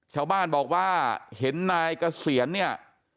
ชาวบ้านบอกว่าเห็นนายเกษียณเนี่ย